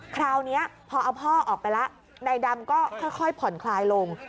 คราวนี้พอเอาพ่อออกไปแล้วนายดำก็ค่อยผ่อนคลายลง